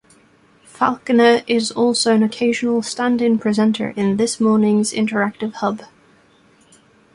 Falconer is also an occasional stand-in presenter in "This Morning's" interactive "hub".